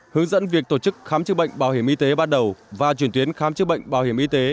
hướng dẫn việc tổ chức khám chữa bệnh bảo hiểm y tế ban đầu và chuyển tuyến khám chữa bệnh bảo hiểm y tế